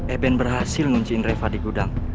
eben berhasil ngunciin reva di gudang